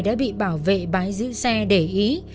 đã bị bảo vệ bái giữ xe để ý